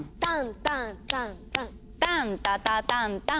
タンタタタタタン。